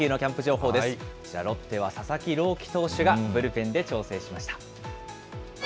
こちら、ロッテは佐々木朗希投手がブルペンで調整しました。